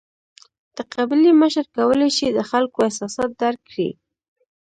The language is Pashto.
د قبیلې مشر کولای شي د خلکو احساسات درک کړي.